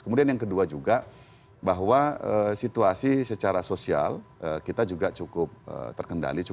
kemudian yang kedua juga bahwa situasi secara sosial kita juga cukup terkendali